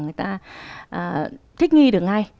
người ta thích nghi được ngay